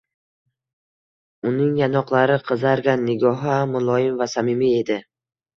Uning yonoqlari qizargan, nigohi ham muloyim va samimiy edi